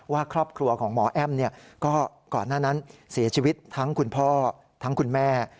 ว่าครอบครัวของหมอแอ้มก็ก่อนหน้านั้นเสียชีวิตทั้งคุณพ่อทั้งคุณแม่